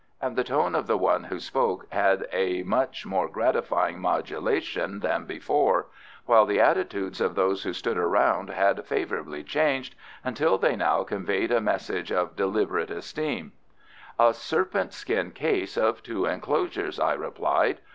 and the tone of the one who spoke had a much more gratifying modulation than before, while the attitudes of those who stood around had favourably changed, until they now conveyed a message of deliberate esteem. "A serpent skin case of two enclosures," I replied.